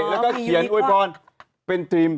แล้วก็เขียนอวยพรเป็นทีม